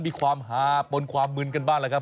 มีความฮาปนความมึนกันบ้างแหละครับ